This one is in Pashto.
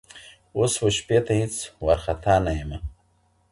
اوس و شپې ته هيڅ وارخطا نه يمه